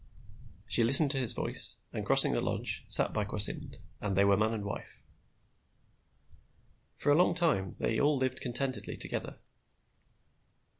She listened to his voice, and crossing the lodge, sat by Kwasynd, and they were man and wife. For a long time they all lived contentedly together.